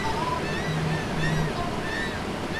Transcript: که نجونې قلم واخلي نو غږ به یې خاموشه نه وي.